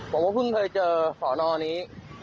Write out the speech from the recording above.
ผมไม่พึ่งพอเจอสระนอนนี้